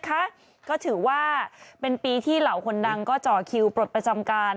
ก็ถือว่าเป็นปีที่เหล่าคนดังก็จ่อคิวปลดประจำการ